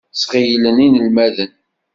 Sɣeylen inelmaden.